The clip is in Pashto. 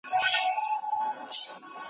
سهارنۍ د ورځې لپاره مهمه وي.